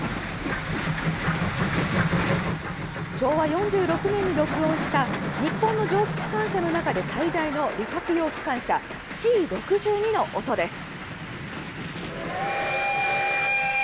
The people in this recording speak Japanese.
昭和４６年に録音した日本の蒸気機関車の中で最大の旅客用機関車Ｃ６２の音です。